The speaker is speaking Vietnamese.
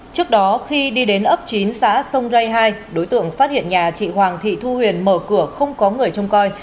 trước đó khi đi đến ấp chín xã sông rây hai đối tượng phát hiện nhà chị hoàng thị thu huyền mở cửa không có người trông coi